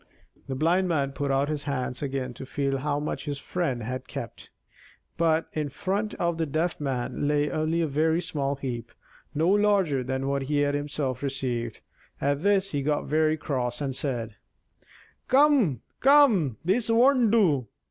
The Blind Man put out his hands again to feel how much his friend had kept; but in front of the Deaf Man lay only a very small heap, no larger than what he had himself received. At this he got very cross, and said: "Come, come, this won't do.